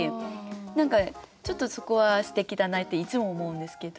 何かちょっとそこはすてきだなっていつも思うんですけど。